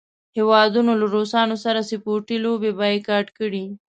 هیوادونو له روسانو سره سپورټي لوبې بایکاټ کړې.